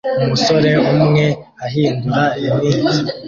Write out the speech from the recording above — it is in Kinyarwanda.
Umusore umwe ahindura imitsi